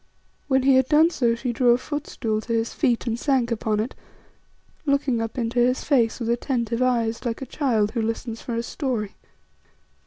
When he had done so she drew a footstool to his feet and sank upon it, looking up into his face with attentive eyes, like a child who listens for a story.